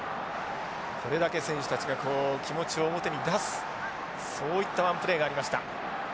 これだけ選手たちが気持ちを表に出すそういったワンプレーがありました。